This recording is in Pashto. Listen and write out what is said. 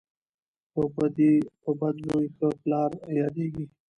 په بد زوی ښه پلار یادیږي.